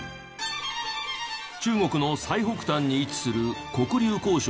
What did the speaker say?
中国の最北端に位置する黒竜江省では。